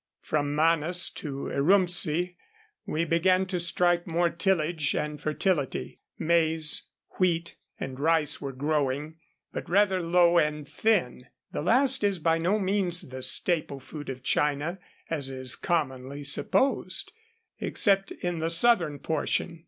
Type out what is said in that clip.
From Manas to Urumtsi we began to strike more tillage and fertility. Maize, wheat, and rice were growing, but rather low and thin. The last is by no means the staple food of China, as is commonly supposed, except in the southern portion.